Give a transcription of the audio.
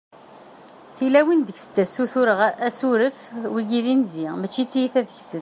tilawin deg-sent ad ssutreɣ asuref, wagi d inzi mačči t-tiyita deg-sent